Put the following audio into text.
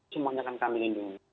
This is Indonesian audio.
semuanya akan kami lindungi